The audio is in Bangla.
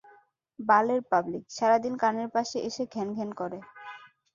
বালের পাবলিক, সারাদিন কানের পাশে এসে ঘ্যানঘ্যান করে।